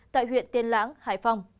tại huyện tiên lãng hải phòng